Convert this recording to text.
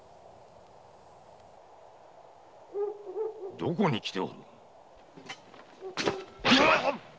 どこに来ておる？